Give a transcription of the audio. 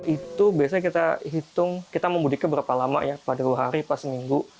itu biasanya kita hitung kita mau mudiknya berapa lama ya pada dua hari pas seminggu